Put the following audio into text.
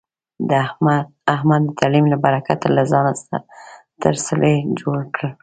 احمد د تعلیم له برکته له ځانه ستر سړی جوړ کړ.